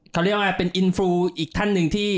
เขาเรียกว่าเป็นอินฟรูอีกท่านหนึ่งที่